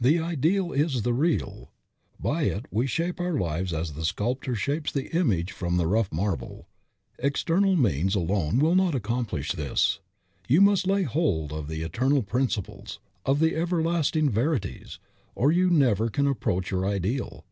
"The ideal is the real." By it we shape our lives as the sculptor shapes the image from the rough marble. External means alone will not accomplish this. You must lay hold of eternal principles, of the everlasting verities, or you never can approach your ideal.